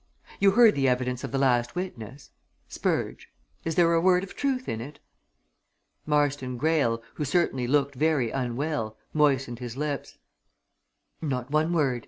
"You heard the evidence of the last witness? Spurge. Is there a word of truth in it?" Marston Greyle who certainly looked very unwell moistened his lips. "Not one word!"